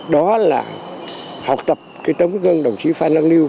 đó là học tập cái tấm gương đồng chí phan đăng lưu